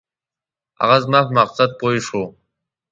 هغه زما په مقصد پوی شو.